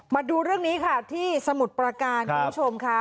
มาดูเรื่องนี้ค่ะที่สมุทรประการคุณผู้ชมค่ะ